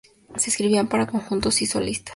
Se escribían para conjuntos y solistas.